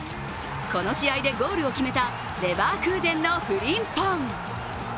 この試合でゴールを決めたレバークーゼンのフリンポン。